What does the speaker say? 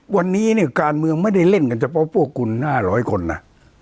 วันนี้เนี่ยการเมืองไม่ได้เล่นกันเฉพาะพวกคุณ๕๐๐คนนะ